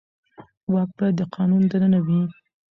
واک باید د قانون دننه وي